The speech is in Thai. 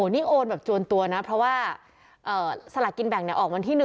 นี่โอนแบบจวนตัวนะเพราะว่าสลากกินแบ่งออกวันที่๑